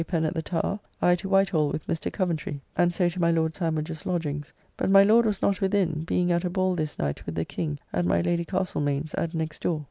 Pen at the Tower, I to White Hall with Mr. Coventry, and so to my Lord Sandwich's lodgings, but my Lord was not within, being at a ball this night with the King at my Lady Castlemaine's at next door.